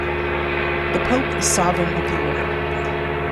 The pope is sovereign of the order.